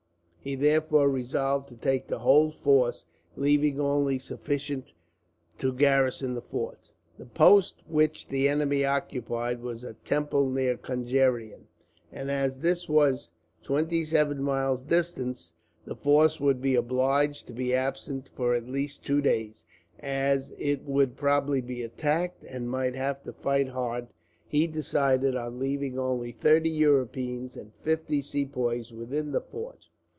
He therefore resolved to take the whole force, leaving only sufficient to garrison the fort. The post which the enemy occupied was a temple near Conjeveram, and as this was twenty seven miles distant, the force would be obliged to be absent for at least two days. As it would probably be attacked, and might have to fight hard, he decided on leaving only thirty Europeans and fifty Sepoys within the fort.